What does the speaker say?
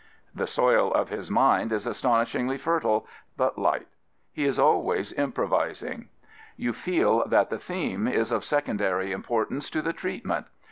The soil of his mind is astonishingly fertile, but light. He is always improvising. You feel that the theme is of secondary importance to the treatment.